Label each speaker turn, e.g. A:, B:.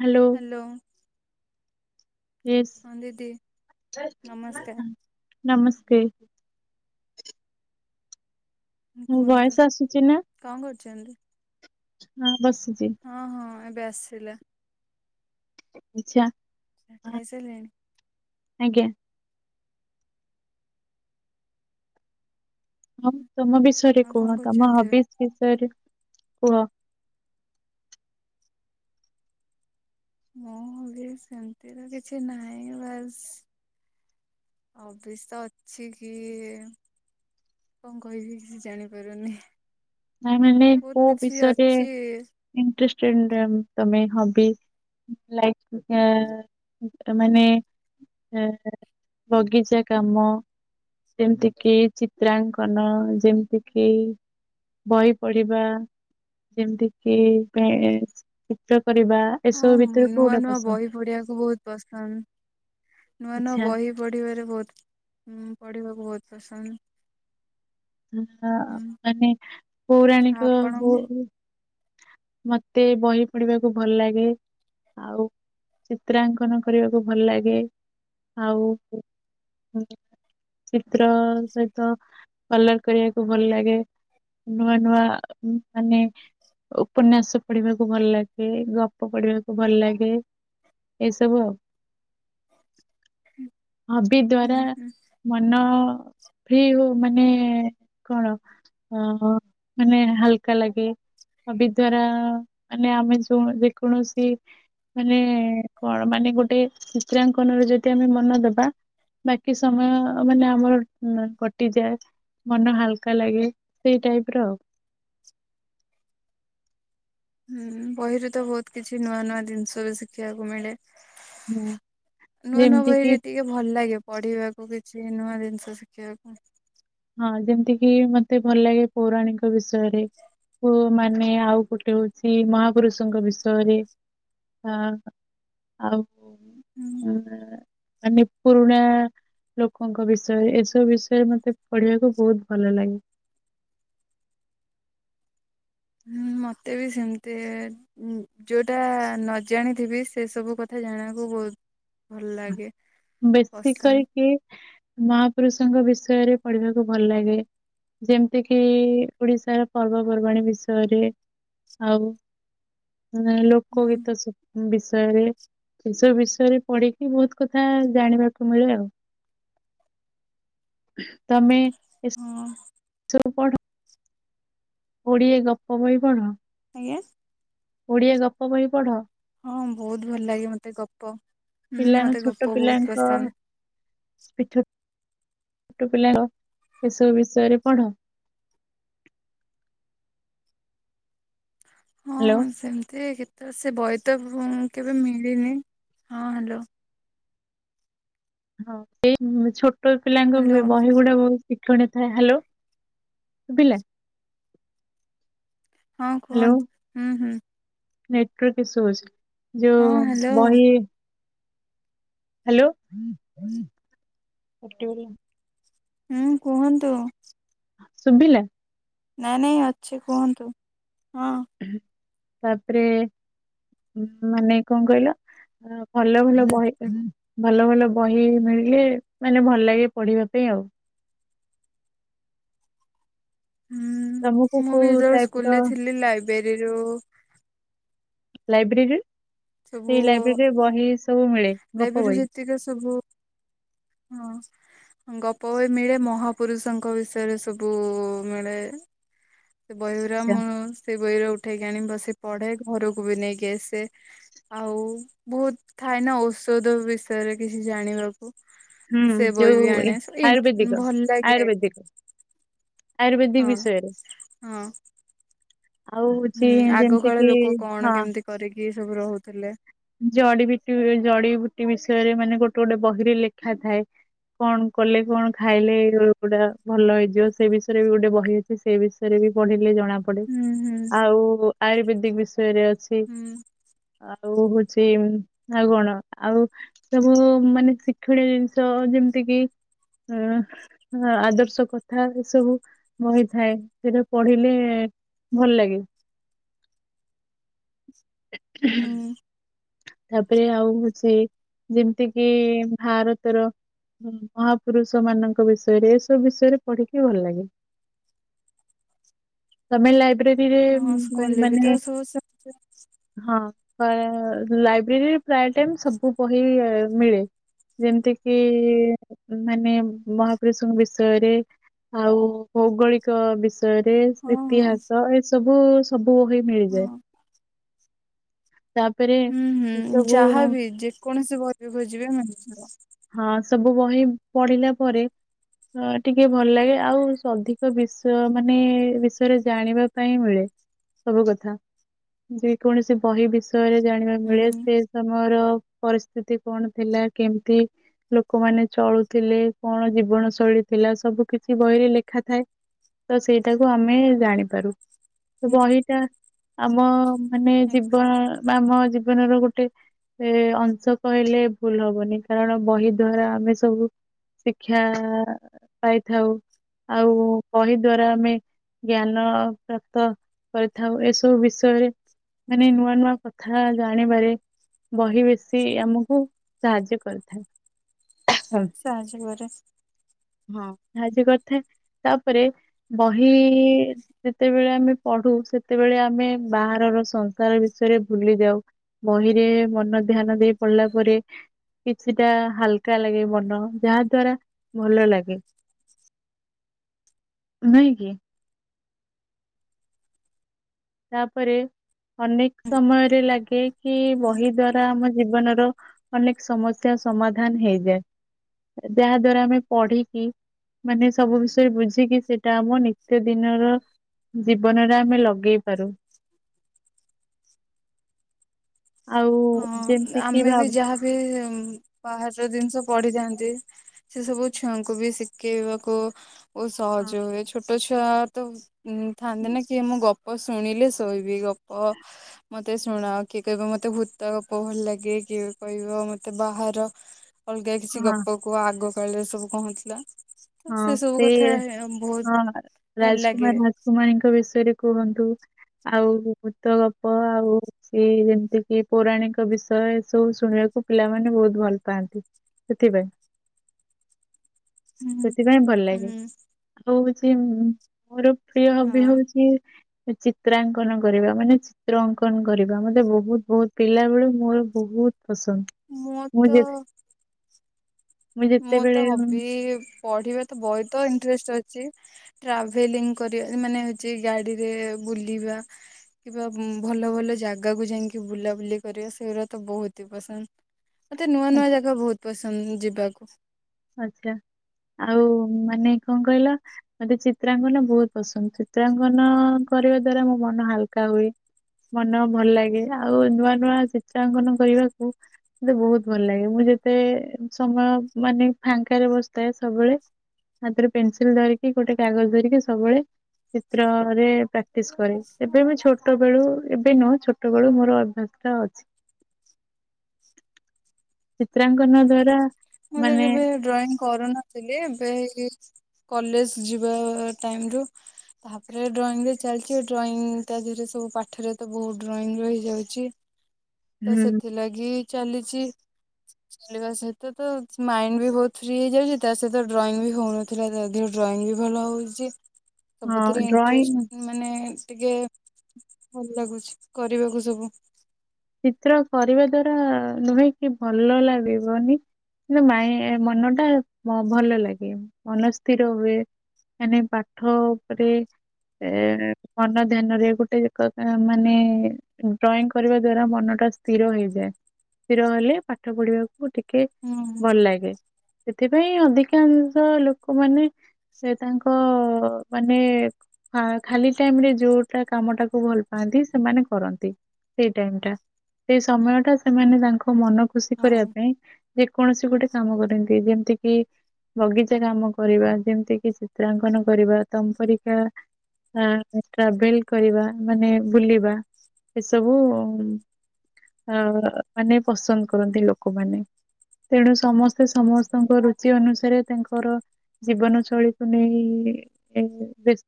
A: Hello.
B: Hello. ଦିଦି
A: yes
B: ନମସ୍କାର
A: ନମସ୍ତେ। ମୋ
B: କୁହନ୍ତୁ
A: ଭଏସ ଆସୁଛି ନା
B: କଣ କରୁଚନ୍ତି?
A: ହଁ ବସିଚି।
B: ହଁ ହଁ ଏବେ ଆସିଲା।
A: ଆଛା।
B: ସା ଖାଇସାରିଲେଣି?
A: ଆଜ୍ଞା। ହଁ ତମ ବିଷୟରେ
B: ଆଉ
A: କୁହ।
B: କଣ
A: ତମ
B: କରୁଛନ୍ତି ଏବେ?
A: ହବିସ ବିଷୟରେ କୁହ?
B: ମୁଁ ବି ସେମତି ତ କିଛି ନାହିଁ ବାସ୍ ହବିସ୍ ତ ଅଛି କି କଣ କହିବି ଜାଣିପାରୁନି।
A: ନାଇଁ ମାନେ
B: ବହୁତ
A: କୋ
B: କିଛି
A: ବିଷୟରେ
B: ଅଛି
A: ଇଣ୍ଟରେଷ୍ଟେଡ ତମେ ହବି? ଲାଇକ ଅ ଏ ମାନେ ଏ ବଗିଚା କାମ। ଯେମିତି କିି ଚିତ୍ରାଙ୍କନ ଯେମିତି କିି ଯେମିତି କି ବହି ପଢିବା, ଯେମିତି କିି କାଇଁ ଚିତ୍ର କରିବା।
B: ହଁ
A: ଏସବୁ ଭିତରୁ
B: ନୂଆ
A: କୋଉଟା
B: ନୂଆ
A: ପସନ୍ଦ
B: ବହି ପଢିବାକୁ ବହୁତ ପସନ୍ଦ। ନୂଆ ନୂଆ
A: ଆଚ୍ଛା
B: ବହି ପଢିବାରେ ବହୁତ ଉଁ ପଢିବାକୁ ବହୁତ ପସନ୍ଦ।
A: ହ
B: ହୁଁ
A: ମାନେ
B: ଆଉ
A: ପୌରାଣିକ ହଉ
B: ଆପଣଙ୍କୁ?
A: ମତେ ବହି ପଢିବାକୁ ଭଲ ଲାଗେ। ଆଉ ଚିତ୍ରାଙ୍କନ କରିବାକୁ ଭଲ ଲାଗେ, ଆଉ ଚିତ୍ର ସହିତ କଲର କରିବାକୁ ଭଲ ଲାଗେ। ନୂଆ ନୂଆ ମାନେ ଉପନ୍ୟାସ ପଢିବାକୁ ଭଲ ଲାଗେ, ଗପ ପଢିବାକୁ ଭଲ ଲାଗେ। ଏସବୁ ଆଉ। ହବି
B: ହୁଁ
A: ଦ୍ଵାରା
B: ହୁଁ
A: ମନ ଫ୍ରି ହଉ ମାନେ କଣ ଅ ମାନେ ହାଲକା ଲାଗେ ହବି ଦ୍ଵାରା ମାନେ ଆମେ ଯୋଉ ଯେକୌଣସି ମାନେ କଣ ମାନେ ଗୋଟେ ଚିତ୍ରାଙ୍କନରେ ଯଦି ଆମେ ମନ ଦବା ବାକି ସମୟ ମାନେ ଆମର କଟିଯାଏ। ମନ ହାଲକା ଲାଗେ। ସେଇ ଟାଇପ ର ଆଉ।
B: ହୁଁ ବହିରୁ ତ ବହୁତ କିଛି ନୂଆ ନୂଆ ଜିନିଷ ବି ଶିଖିବାକୁ ମିଳେ।
A: ହୁଁ
B: ନୂଆ ନୂଆ
A: ଯେମିତି
B: ବହିରେ
A: କିି
B: ଟିକ ଟିକେ ଭଲ ଲାଗେ ପଢିବାକୁ କିଛି ନୂଆ ଜିନିଷ ଶିଖିବାକୁ।
A: ହଁ ଯେମତି କିି ମତେ ଭଲ ଲାଗେ ପୌରାଣିକ ବିଷୟ। ମାନେ ଆଉ ଗୋଟେ ହ ସେ ମହାପୁରୁଷଙ୍କ ବିଷୟରେ। ଅ ଆୋ
B: ହୁଁ
A: ହ ମାନେ ପୁରୁଣା ଲୋକଙ୍କ ବିଷୟରେ ଏସବୁ ବିଷୟରେ ମତେ ପଢିବାକୁ ବହୁତ ଭଲ ଲାଗେ।
B: ହୁଁ ମତେ ବି ସେମତି ଯେଉଁଟା ନଜାଣିଥିବି ସେସବୁ କଥା ଜାଣିବାକୁ ବହୁତ ଭଲ ଲାଗେ
A: ବେଶ
B: ପସନ୍ଦ
A: କରିକି ମହାପୁରୁଷଙ୍କ ବିଷୟରେ ପଢିବାକୁ ଭଲ ଲାଗେ। ଯେମିତିକି ଓଡିଶାର ପର୍ବପର୍ବାଣୀ ବିଷୟରେ। ଆଉ ଲୋକ
B: ହୁଁ
A: ଗୀତ ବିଷୟରେ। ଏସବୁ ବିଷୟରେ ପଢିକି ବହୁତ କଥା ଜାଣିବାକୁ ମିଳେ ଆଉ। ତମେ
B: ହଁ।
A: ସବୁ ପଢ଼। ଓଡିଆ ଗପ ବହି ପଢ଼?
B: ଆଜ୍ଞା?
A: ଓଡ଼ିଆ ଗପ ବହି ପଢ଼?
B: ହଁ ବହୁତ ଭଲ ଲାଗେ ମୋତେ ଗପ।
A: ପିଲାଙ୍କ
B: ମୋତେ ଗପ ବହୁତ ପସନ୍ଦ।
A: ପଠ ଛୋଟ ପିଲାର ଏସବୁ ବିଷୟରେ ପଢ?
B: [unintelligible]
A: ହ୍ୟାଲୋ?
B: ସେମିତି କେତେ ସେ ବହି ତଁ କେବେ ମିଳିନି। ହଁ, ହ୍ୟାଲୋ?
A: ହଉ ସେଇ ଛୋଟ ପିଲାଙ୍କ
B: ହ୍ୟାଲୋ
A: ବହି ଗୁଡା ବହୁ ଶିକଣ ଥାଏ। ହ୍ୟାଲୋ ଶୁଭିଲା?
B: ହଁ କୁହନ୍ତୁ ହୁଁ ହୁଁ।
A: ନେଟାର୍ ଇସୁ ଅଛି
B: ହଁ
A: ଯୋଉ
B: ହ୍ୟାଲୋ
A: ବହି ହ୍ୟାଲୋ?
B: ହୁଁ କୁହନ୍ତୁ।
A: ଶୁଭିଲା?
B: ନାଇଁ ନାଇଁ ଅଛି କୁହନ୍ତୁ ହଁ।
A: ତାପରେ ମାନେ କଣ କହିଲ? ଆ ଭଲ ଭଲ ବହି ହୁଁ। ଭଲ ଭଲ ବହି ମିଳିଲେ ମାନେ ଭଲ ଲାଗେ ପଢିବା ପାଇଁ ଆଉ।
B: ହୁଁ
A: ତମକୁ
B: ମୁଁ ବି
A: କୋଉ
B: ଯେତେବେଳେ
A: ଟାଇପ ର
B: ସ୍କୁଲରେ ଥିଲି ଲାଇବ୍ରେରୀରୁୁ
A: ଲାଇବ୍ରେରୀ
B: ସବୁ
A: ଲାଇବ୍ରେରୀରେ ବହି ସବୁ ମିଳେ ଗପ
B: ଲାଇବ୍ରେରୀରୁ
A: ବହି।
B: ଯେତିକି ସବୁ। ହଁ। ଗପ ବହିି ମିଳେ ମହାପୁରୁଷଙ୍କ ବିଷୟରେ ସବୁ ମିଳେ। ସେ ବହିଊରା
A: ଆଚ୍ଛା
B: ମୁଁ ସେ ବହିରୁ ଉ ଠେଇକି ଆଣି ବସି ପଢେ ଘରକୁ ବି ନେଇକି ଆସେ। ଆଉ ବହୁତ ଥାଏ ନା ଔଷଧ ବିଷୟରେ କିଛି ଜାଣିବାକୁ।
A: ହୁଁ
B: ସେ ବହି ବି
A: ଯୋଉ
B: ଆଣେ। ସ ଏ
A: ଆୟୁର୍ବେଦିକ
B: ଭଲ ଲାଗେ।
A: ଆୟୁର୍ବେଦିକ ଆୟୁର୍ବେଦିକ
B: ହଁ
A: ବିଷୟରେ
B: ହଁ।
A: ଆଉ ହଉଛି
B: ହୁଁ
A: ଯେମିତି
B: ଆଗକାଳ
A: କିି
B: ଲୋକ କଣ
A: ହଁ
B: କେମିତି କରିକି ଏ ସବୁ ରହୁଥିଲେ।
A: ଜଡିିବିଟି ଜଡିିବୁଟି ବିଷୟରେ ମାନେ ଗୋଟେ ଗୋଟେ ବହିରେ ଲେଖା ଥାଏ। କଣ କଲେ କଣ ଖାଇଲେ ଏଇ ରୋଗୁଟା ଭଲ ହେଇଯିବ, ସେ ବିଷୟରେ ବି ଗୋଟେ ବହି କି ସେ ବିଷୟରେ ବି ପଢିଲେ ଜଣା ଡ଼େ
B: ହୁଁ ହୁଁ
A: ଆଉ ଆୟୁର୍ବେଦିକ ବିଷୟରେ ଅଛି।
B: ହୁଁ
A: ଆଉ ହୋ ଚି ଆଉ କଣ ଆଉ ସବୁ ମାନେ ଶିକ୍ଷଣୀୟ ଜିନିଷ ଯେମିତି କିି ଅ ଆଦର୍ଶ କଥା ଏ ସବୁ ବହିଥାଏ, ସେଟା ପଢିଲେ ଭଲ ଲାଗେ। ହୁଁ। ତାପରେ ଆଉ ହଉଚି ଯେମିତି କିି ଭାରତର ଅ ମହାପୁରୁଷ ମାନଙ୍କ ବିଷୟରେ ଏସବୁ ବିଷୟରେ ପଢିକି ଭଲ ଲାଗେ। ତମେ ଲାଇବ୍ରେରୀରେ
B: ହଁ
A: ମ
B: ସ୍କୁଲରେ ବି ତ
A: ମାନେ
B: ସବୁ ସେମିତି
A: ହଁ କ ଲାଇବ୍ରେରୀରେ ପ୍ରାୟ ଟାଇମ ସବୁ ବହି ମିଳେ। ଯେମିତିକି ମାନେ ମହାପୁରୁଷଙ୍କ ବିଷୟରେ। ଆଉ ଭୌଗୋଳିକ ବିଷ ୟରେ
B: ହଁ ହଁ
A: ଇତିହାସ ଏ ସବୁ ସବୁ ବହି
B: ହଁ।
A: ମିଳିଯାଏ। ତାପରେ
B: ହଁ
A: ଏସବୁ
B: ଯାହାବି ଯେକୌଣସି ବହି ବ ଖୋଜିବେ ମିଳଯିବ।
A: ହଁ ସବୁ ବହି ପଢିଲା ପରେ ହ ଟିକେ ଭଲ ଲାଗେ, ଆଉ ଅଧିକ ବିଷୟ ମାନେ ବିଷୟରେ ଜାଣିବା ପାଇଁ ମିଳେ। ସବୁ କଥା ଯେ କୌଣସି ବହି ବିଷୟରେ ଜାଣିବାକୁ ମିଳେ,
B: ହୁଁ
A: ସେ ସମୟର ପରିସ୍ଥିତି କଣ ଥିଲା କେମିତି ଲୋକମାନେ ଚଳୁଥିଲେ। କଣ ଜୀବନ ଶୈଳୀ ଥିଲା? ସବୁ କିଛି ବହିରେ ଲେଖା ଥାଏ। ତ ସେଇଟାକୁ ଆମେ ଜାଣିପାରୁ। ବହିଟା ଆମ ମାନେ
B: ଆଜ୍ଞା
A: ଜୀବନ ବା ଆମ ଜୀବନର ଗୋଟେ ଏ ଅଂଶ କହିଲେ ଭୁଲ ହବ। ଅନି କାରଣ ବହି ଦ୍ଵାରା ଆମେ ସବୁ ଶିକ୍ଷା ପାଇଥାଉ। ଆଉ ବହି ଦ୍ଵାରା ଆମେ ଜ୍ଞାନ ପ୍ରାପ୍ତ କରିଥାଉ। ଏସବୁ ବିଷୟରେ ମାନେ ନୂଆ ନୂଆ କଥା ଜାଣିବାରେ ବହି ବେଶୀ ଆମକୁ ସାହାଯ୍ୟ କରିଥାଏ।
B: ସାହାଯ୍ୟ କରେ।
A: ହଁ ସାହାଯ୍ୟ କରିଥାଏ, ତାପରେ ବହି ଯେତେବେଳେ ଆମେ ପଢୁ ସେତେବେଳେ ଆମେ ବାହାରର ସଂସାର ବିଷୟରେ ଭୁଲି ଯାଉ। ବହିରେ ମନ ଧ୍ୟାନ ଦେଇ ପଢିଲା ପରେ କିଛିଟା ହାଲକା ଲାଗେ ମନ। ଯାହା ଦ୍ଵାରା ଭଲ ଲାଗେ। ନାଇଁ କି? ତାପରେ ଅନେକ ସମୟରେ ଲାଗେ କି
B: ହଁ
A: ବହି ଦ୍ଵାରା ଟା ଆମ ଜୀବନର ଅନେକ ସମସ୍ୟା ସମାଧାନ ହେଇଯାଏ। ଯାହା ଦ୍ଵାରା ଆମେ ପଢିକି ମାନେ ସବୁ ବିଷୟରେ ବୁଝିକି ସେଇଟା ଆମ ନିତ୍ୟ ଦିନର ଜୀବନରେ ଆମେ ଲଗେଇ ପାରୁ। ଆଉ
B: ହଁ,
A: ଯେମିତି କିି
B: ଆମେ ବି
A: ଭାବ
B: ଯାହାବି ବାହାରର ଜିନିଷ ପଢିଥାନ୍ତି ସେ ସବୁ ଛୁଆଙ୍କୁ ବି ଶିକେଇବାକୁ ବହୁ
A: ହଁ
B: ସହଜ ହୁଏ, ଛୋଟ ଛୁଆ ତ ଉ ଥାନ୍ତି ନା କିଏ ମୁଁ ଗ ଗପ ଶୁଣିଲେ ଶୋଇବି, ଗପ ମତେ ଶୁଣାଅ କିଏ କହିବ ମତେ ଭୂତ୍ ତ ଗପ ଭଲ ଲାଗେ, କିଏ କହିବ ମତେ ବାହାର ଅଲଗା କିଛି
A: ହଁ
B: ଗପ କୁହ ଆଗ କାଳରେ ସବୁ କଁ ହୋଇଥିଲା - ତ ସେ ସବୁ କଥା ବହୁତ ଭଲ ଲାଗେ
A: କମାରୀଙ୍କ ବିଷୟରେ କୁହନ୍ତୁ, ଆଉ ଭୁତ ଗପ ଆଉ ସି ଯେମିତି କି ପୌରାଣିକ ବିଷୟ ଏ ସବୁ ଶୁଣିବାକୁ ପିଲାମାନେ ବହୁତ ଭଲ ପାଆନ୍ତି ସେଥିପାଇଁ
B: ହୁଁ
A: ସେଥିପାଇଁ ଭଲ ଲାଗେ,
B: ହୁଁ
A: ଆଉ ହୋଉଚି ମୋର ପ୍ରିୟ ହବି
B: ହଁ
A: ହଉଚି - ଚିତ୍ରାଙ୍କନ କରିବା ମାନେ ଚିତ୍ - ଚିତ୍ର ଅଙ୍କନ କରିବା ମତେ ବହୁତ ବହୁତ ପିଲା ବେଳୁ ମୋର ବହୁତ ପସନ୍ଦ
B: ମୋ
A: ମୁଁ
B: ତ
A: ଯେ
B: ମୁଁ ତ
A: ଯେତେବେଳେ ଉଁ,
B: ହବି ପଢିବା ତ ବଇତ ଇଣ୍ଟରେଷ୍ଟ ଅଚି ଟ୍ରାଭେଲିଂ କରିବା ମାନେ ହଉଚି ଗାଡିରେ ବୁଲିବା କିବା ଭଲ ଭଲ ଜାଗାକୁ ଯାଇକି ବୁଲାବୁଲି କରିବା ସେଗୁରାତ ବହୁତ ହି ପସନ୍ଦ- ମତେ ନୂଆ ନୂଆ ଜାଗା ବହୁତ ପସନ୍ଦ ଯିବାକୁ
A: ଆଛା, ଆଉ ମାନେ କଁ କହିଲ - ମତେ ଚିତ୍ରାଙ୍କନ ବହୁତ ପସନ୍ଦ, ଚିତ୍ରାଙ୍କନ କରିବା ଦ୍ଵାରା ମୋ ମନ ହାଲକା ହୁଏ ମନ ଭଲ ଲାଗେ ଆଉ ନୂଆ ନୂଆ ଚିତ୍ରାଙ୍କନ କରିବାକୁ ମତେ ବହୁତ ଭଲ ଲାଗେ ମୁଁ ଯେତେ ସମୟ ମାନେ ଫାଙ୍କାରେ ବସିଥାଏ ସବବେଳେ ହାତରେ ପେନସିଲ ଧରିକି ଗୋଟେ କାଗଜ ଧରିକି ସବବେଳେ ଚିତ୍ରରେ ପ୍ରାକ୍ଟିସ କରେ, ଏବେ ବି ଛୋଟ ବେଳୁ ଏବେ ନୁହଁ ଛୋଟ ଛୋଟବେଳୁ ମୋର ଅଭ୍ୟାସ ଟା ଅଛି ଚିତ୍ରାଙ୍କନ
B: ହୁଁ ହୁଁ
A: ଦ୍ଵାରା
B: ମୁଁ ତ
A: ମାନେ
B: କେବେ ଡ୍ରଇଂ କରୁନଥିଲି ଏବେ ଏଇ କଲେଜ ଯିବା ଟାଇମରୁ ତାପରେ ଡ୍ରଇଂ ରେ ଚାଲିଚି ଡ୍ରଇଂ ତା ଦିହରେ ସବୁ ପାଠରେ ତ ବହୁତ ଡ୍ରଇଂ ରହିଯାଉଚି
A: ହ
B: ତ ସେଥିଲାଗି ଚାଲିଚି - ଚାଲିବା ସହିତ ତ ମାଇଣ୍ଡ ବି ବହୁତ ଫ୍ରି ହେଇଯାଉଚି ତା ସହିତ ଡ୍ରଇଂ ବି ହଉନି - ନଥିଲା ତା ଦିହରେ ଡ୍ରଇଂ ବି ଭଲ ହଉଚି,
A: ହଁ
B: ସବୁଥିରେ
A: ଡ୍ରଇଂ
B: ଇଣ୍ଟ୍ରେଷ୍ଟ ମାନେ ଟିକେ ଭଲ ଲାଗୁଚି କରିବାକୁ ସବୁ -
A: ଚିତ୍ର କରିବା ଦ୍ଵାରା ନୁହେଁ କି ଭଲ ଲାଗିବନି କି ମାଇଁ ମନ ଟା ଭଲ ଲାଗେ- ମନ ସ୍ଥିର ହୁଏ, ମାନେ ପାଠ ଉପରେ - ଏ ମନ ଧ୍ୟାନରେ ଗୋଟେ ଏକଥା ମାନେ ଡ୍ରଇଂ କରିବା ଦ୍ଵାରା ମନ ଟା ସ୍ଥିର ହେଇଯାଏ। ସ୍ଥିର ହେଲେ ପାଠ ପଢିବାକୁ ଟିକେ
B: ହୁଁ
A: ଭଲ ଲାଗେ ସେଥିପାଇଁ ଅଧିକାଂଶ ଲୋକମାନେ ସେ ତାଙ୍କ ମାନେ ହ ଖାଲି ଟାଇମରେ ଯୋଉଟା କାମ ଟାକୁ ଭଲ ପାଆନ୍ତି ସେମାନେ କରନ୍ତି ଟାଇମ୍ ଟା, ସେଇ ସମୟଟା ସେମାନେ ତାଙ୍କ ମନ ଖୁସି କରିବା
B: ହଁ।
A: ପାଇଁ ଯେକୌଣସି ଗୋଟେ କାମ କରନ୍ତି ଯେମିତି କି ବଗିଚା କାମ କରିବା ଯେମତି କି ଚିତ୍ରାଙ୍କନ କରିବା ତମ୍ପରିକା ଆ ଟ୍ରାଭେଲ କରିବା ମାନେ ବୁଲିବା ଏସବୁ - ହଁ ମାନେ ପସନ୍ଦ କରନ୍ତି ଲୋକମାନେ। ତେଣୁ ସମସ୍ତେ ସମସ୍ତଙ୍କ ରୁଚି ଅନୁସାରେ ତାଙ୍କର ଜୀବନ ଶୈଳୀକୁ ନେଇ, ଏ ବେସ୍ତ